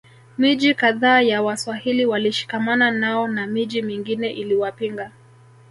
Miji kadhaa ya Waswahili walishikamana nao na miji mingine iliwapinga